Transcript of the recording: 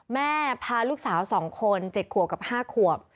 แม่พาลูกสาวสองคนเจ็ดขวบกับห้าขวบ